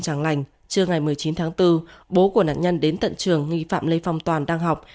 chẳng lành trưa ngày một mươi chín tháng bốn bố của nạn nhân đến tận trường nghi phạm lê phong toàn đang học